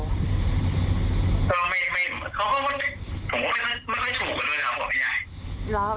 เค้ามันไม่ค่อยถูกกันเลยบอกแม่ยาย